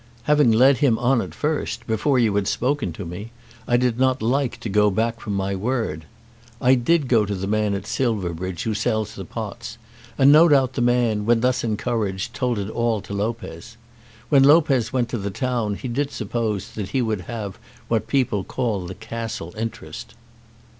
Having led him on at first, before you had spoken to me, I did not like to go back from my word. I did go to the man at Silverbridge who sells the pots, and no doubt the man, when thus encouraged, told it all to Lopez. When Lopez went to the town he did suppose that he would have what the people call the Castle interest."